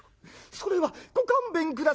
それはご勘弁下さい」。